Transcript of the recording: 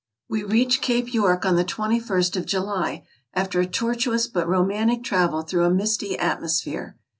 We reached Cape York on the twenty first of July, after a tortuous but romantic travel through a misty atmosphere.